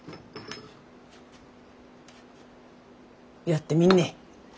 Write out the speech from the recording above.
やってみんね。